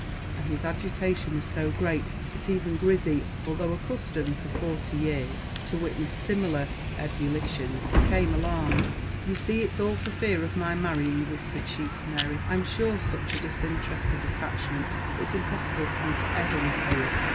And his agitation was so great that even Grizzy, although accustomed for forty years to witness similar ebullitions, became alarmed. "You see it's all for fear of my marrying," whispered she to Mary. "I'm sure such a disinterested attachment, it's impossible for me ever to repay it!"